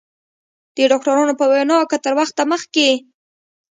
د ډاکترانو په وینا که تر وخته مخکې